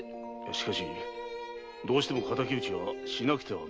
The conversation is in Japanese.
しかしどうしても仇討ちはしなくてはならないんだろうか？